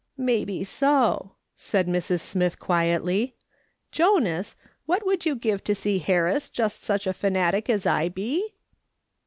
" Maybe so," said ]\Irs. Smith, quietly. " Jonas, Avhat would you give to see Harris just such a fanatic as I be